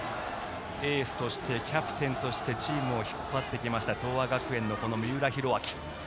エース、キャプテンとしてチームを引っ張ってきました東亜学園の三浦寛明。